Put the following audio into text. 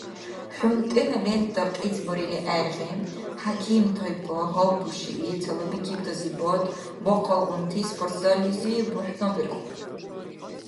ХӀунтӀена лента кьицӀбарили гӀергъи, хӀяким тайпа гьаббашули, цалабикибтазибад бахъалгъунти спортзаллизи бухӀнаберхур.